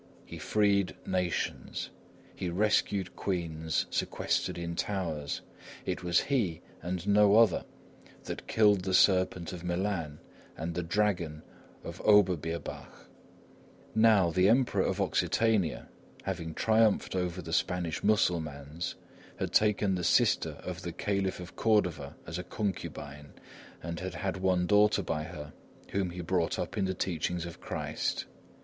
He freed nations. He rescued queens sequestered in towers. It was he and no other that killed the serpent of Milan and the dragon of Oberbirbach. Now, the Emperor of Occitania, having triumphed over the Spanish Mussulmans, had taken the sister of the Caliph of Cordova as a concubine, and had had one daughter by her, whom he brought up in the teachings of Christ.